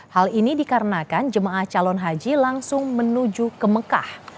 hal ini dikarenakan jemaah calon haji langsung menuju ke mekah